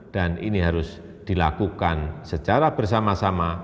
dan ini harus dilakukan secara bersama sama